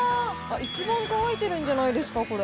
一番乾いてるんじゃないですか、これ。